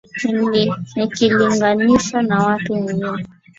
Nikilinganishwa na watu wengine